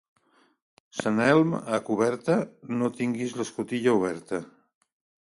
Sant Elm a coberta, no tinguis l'escotilla oberta.